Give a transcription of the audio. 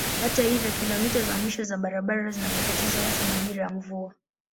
Hata hivyo kilomita za mwisho za barabara zina matatizo hasa majira ya mvua.